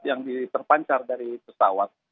yang terpancar dari pesawat